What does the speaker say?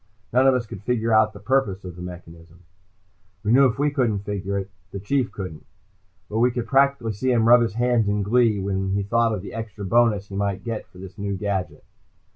None of us could figure out the purpose of the mechanism. We knew if we couldn't figure it, the Chief couldn't. But we could practically see him rub his hands in glee when he thought of the extra bonus he might get for this new gadget.